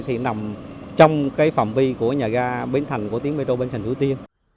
thì nằm trong cái phòng vi của nhà ga bến thành của tiếng metro bến thành thủy tiên